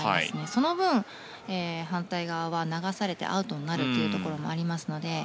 その分、反対側は流されてアウトになるというところもありますので。